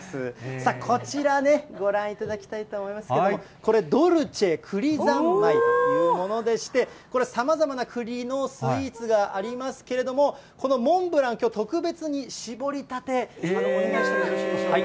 さあ、こちらね、ご覧いただきたいと思いますけども、これ、ドルチェ栗ざんまいというものでして、これ、さまざまな栗のスイーツがありますけれども、このモンブラン、きょう特別に絞りたて、お願いしてよろしいでしょうか？